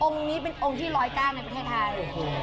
อมนี้เป็นอมที่ร้อยก้างในประเทศไทย